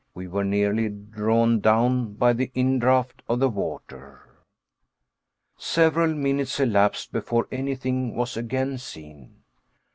We were nearly drawn down by the indraft of the water! Several minutes elapsed before anything was again seen.